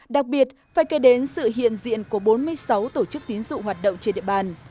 đặc biệt phải kể đến sự hiện diện của bốn mươi sáu tổ chức tín dụng hoạt động trên địa bàn